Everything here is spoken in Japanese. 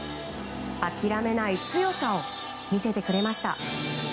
諦めない強さを見せてくれました。